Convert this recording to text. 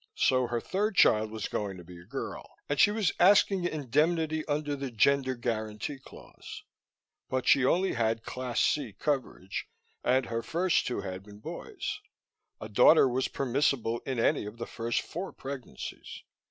So her third child was going to be a girl, and she was asking indemnity under the gender guarantee clause. But she had only Class C coverage and her first two had been boys; a daughter was permissible in any of the first four pregnancies.